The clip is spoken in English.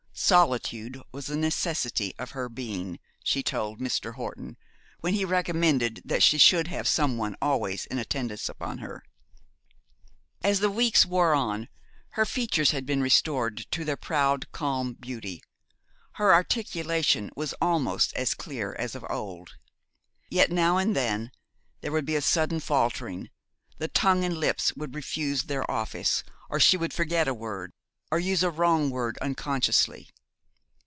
Solitude was a necessity of her being, she told Mr. Horton, when he recommended that she should have some one always in attendance upon her. As the weeks wore on her features had been restored to their proud, calm beauty, her articulation was almost as clear as of old: yet, now and then, there would be a sudden faltering, the tongue and lips would refuse their office, or she would forget a word, or use a wrong word unconsciously.